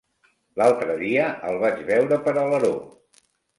L'altre dia el vaig veure per Alaró.